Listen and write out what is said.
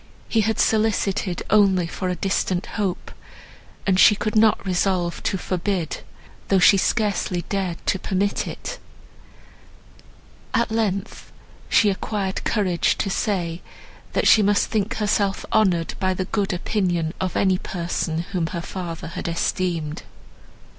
He had solicited only for a distant hope, and she could not resolve to forbid, though she scarcely dared to permit it; at length, she acquired courage to say, that she must think herself honoured by the good opinion of any person, whom her father had esteemed.